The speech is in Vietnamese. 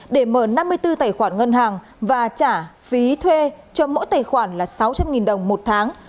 để mở năm mươi bốn tài khoản ngân hàng và trả phí thuê cho mỗi tài khoản là sáu trăm linh đồng một tháng